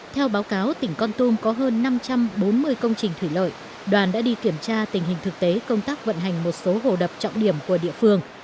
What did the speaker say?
theo báo cáo tỉnh con tum có hơn năm trăm bốn mươi công trình thủy lợi đoàn đã đi kiểm tra tình hình thực tế công tác vận hành một số hồ đập trọng điểm của địa phương